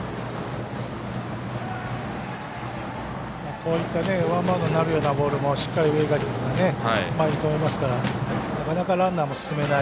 こういったワンバウンドになるようなボールもしっかり植垣君が止めますからなかなかランナーも進めない。